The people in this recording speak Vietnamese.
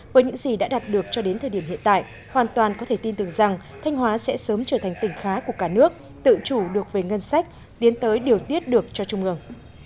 với những gì đã đạt được cho đến thời điểm hiện tại hoàn toàn có thể tin tưởng rằng thanh hóa sẽ sớm trở thành tỉnh khá của cả nước tự chủ được về ngân sách tiến tới điều tiết được cho trung ương